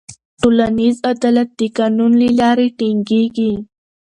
ټولنیز عدالت د قانون له لارې ټینګېږي.